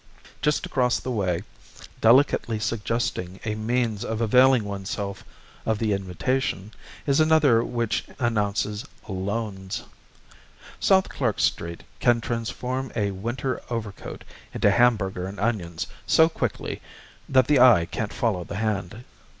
Just across the way, delicately suggesting a means of availing one's self of the invitation, is another which announces "Loans." South Clark Street can transform a winter overcoat into hamburger and onions so quickly that the eye can't follow the hand.